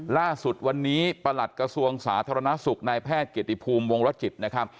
ล่าสุดวันนี้ประหลัดกระทรวงสาธารณสุขนายแพทย์เกตทิพูมวงรถจิต